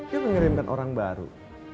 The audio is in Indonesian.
dia mengirimkan orang baru